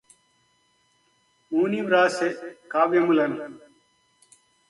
మూని వ్రాసె కావ్యములను